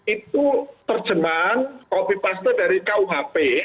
itu terjemah copy paste dari kuhp